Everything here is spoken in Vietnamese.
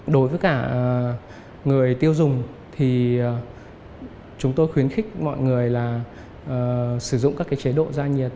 đối với cả người tiêu dùng thì chúng tôi khuyến khích mọi người là sử dụng các cái chế độ gia nhiệt tốt